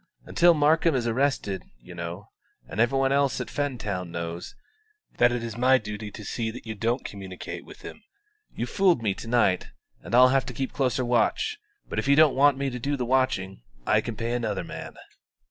"Until Markham is arrested, you know, and every one else at Fentown knows, that it is my duty to see that you don't communicate with him. You've fooled me to night, and I'll have to keep closer watch; but if you don't want me to do the watching, I can pay another man."